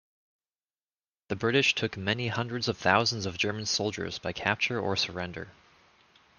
The British took many hundreds of thousands of German soldiers by capture or surrender.